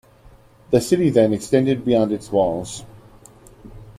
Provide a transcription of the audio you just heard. The city then extended beyond its walls.